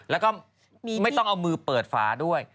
แล้วก็ไม่ต้องเอามือเปิดฝาด้วย